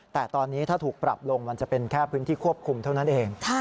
แต่ตอนนี้ถ้าถูกปรับลงมันจะเป็นแค่พื้นที่ควบคุมเท่านั้นเอง